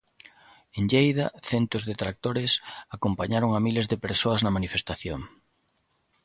En Lleida, centos de tractores acompañaron a miles de persoas na manifestación.